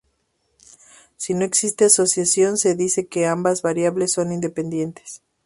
Si no existe asociación se dice que ambas variables son "independientes".